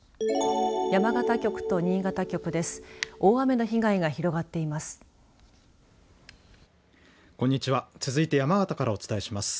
山形局と新潟局です。